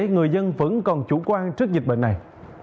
người dân vẫn còn chủ quan trước dịch bệnh này